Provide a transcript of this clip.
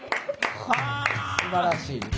すばらしい。